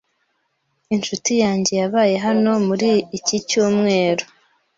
Inshuti yanjye yabaye hano muri iki cyumweru.